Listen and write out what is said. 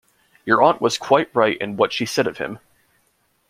Your aunt was quite right in what she said of him.